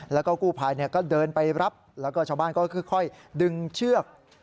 แล้วก็กู้ภัยก็เดินไปรับแล้วก็ชาวบ้านก็ค่อยดึงเชือก